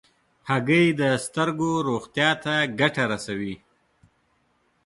هګۍ د سترګو روغتیا ته ګټه رسوي.